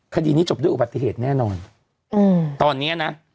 คดีนี้จบด้วยอุบัติเหตุแน่นอนอืมตอนเนี้ยนะ